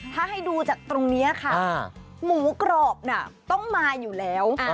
ถ้าให้ดูจากตรงนี้ค่ะหมูกรอบน่ะต้องมาอยู่แล้ว